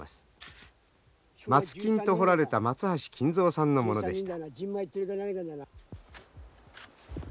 「松金」と彫られた松橋金蔵さんのものでした。